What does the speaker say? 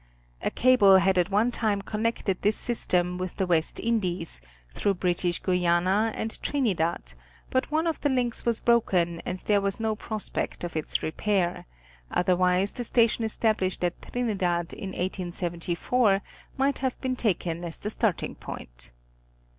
A cable had at one time connected this system with the West Indies, through British Guiana and Trinidad, but one of the links was broken and there was no prospect of its repair, otherwise the Station established at Trinidad in 1874 might have been taken as the starting point.